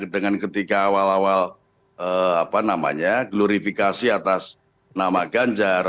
dengan ketika awal awal glorifikasi atas nama ganjar